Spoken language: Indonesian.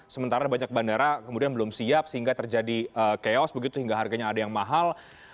sementara banyak bandara kemudian belum siap sehingga terjadi chaos begitu hingga harganya ada yang mahal